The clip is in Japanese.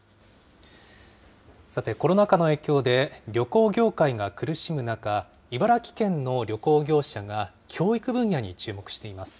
さて、コロナ禍の影響で旅行業界が苦しむ中、茨城県の旅行業者が教育分野に注目しています。